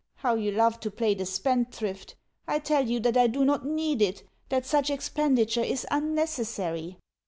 How you love to play the spendthrift! I tell you that I do not need it, that such expenditure is unnecessary.